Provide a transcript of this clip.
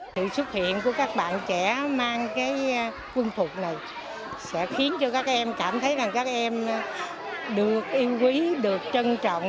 sự xuất hiện của các bạn trẻ mang cái quân phục này sẽ khiến cho các em cảm thấy rằng các em được yêu quý được trân trọng